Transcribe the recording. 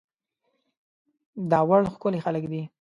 داوړ ښکلي خلک دي